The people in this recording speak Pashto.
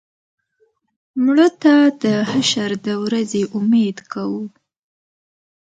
مړه ته د حشر د ورځې امید کوو